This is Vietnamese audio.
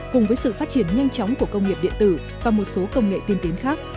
cùng với sự phát triển nhanh chóng của công nghiệp điện tử và một số công nghệ tiên tiến khác